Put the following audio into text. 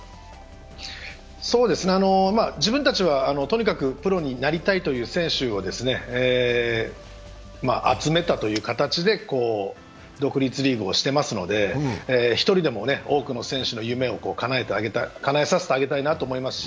自分たちはとにかくプロになりたいという選手を集めたという形で独立リーグをしてますので一人でも多くの選手の夢をかなえさせてあげたいなと思いますし。